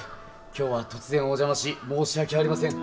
今日は突然お邪魔し申し訳ありません。